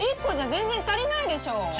１個じゃ全然足りないでしょう。